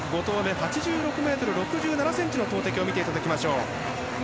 ８６ｍ５７ｃｍの投てきを見ていただきましょう。